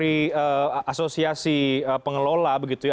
kami tetap yakin bahwa pusat belanja bisa memberikan kepentingan yang sangat besar